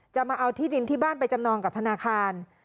มาเอาที่ดินที่บ้านไปจำนองกับธนาคาร